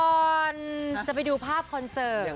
ก่อนจะไปดูภาพคอนเสิร์ต